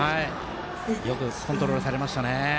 よくコントロールされました。